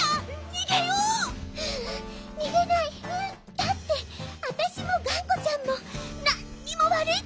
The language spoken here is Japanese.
だってわたしもがんこちゃんもなんにもわるいことしてないもの！